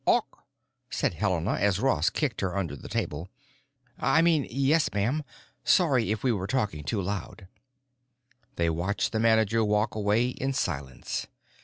"Awk," said Helena as Ross kicked her under the table. "I mean, yes ma'am. Sorry if we were talking too loud." They watched the manager walk away in silence.